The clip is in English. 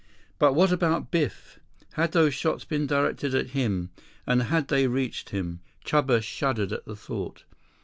But what about Biff? Had those shots been directed at him? And had they reached him? Chuba shuddered at the thought.